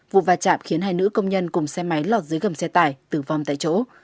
vụ va chạm khiến hai nữ công nhân cùng xe máy lọt dưới gầm xe tải tử vong tại chỗ